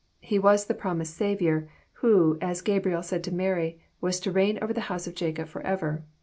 He was the promised Saviour, who, as Gabriel said to Mary, was to *'reign over the house of Jacob forever."